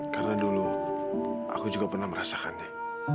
karena dulu aku juga pernah merasakannya